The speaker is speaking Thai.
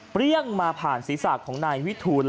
เปลี่ยงมาผ่านสีสากของนายวิทูล